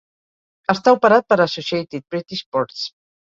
Està operat per Associated British Ports.